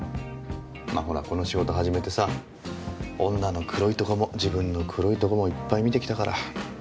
まあほらこの仕事始めてさ女の黒いとこも自分の黒いとこもいっぱい見てきたから。